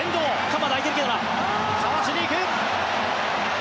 かわしに行く。